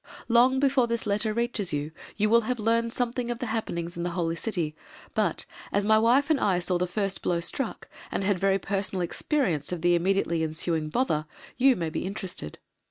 Long before this letter reaches you, you will have learned something of the happenings in the Holy City, but as my wife and I saw the first blow struck, and had very personal experience of the immediately ensuing bother, you may be interested.